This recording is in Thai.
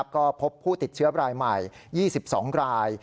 ก็พบผู้ติดเชื้อรายใหม่๒๒ราย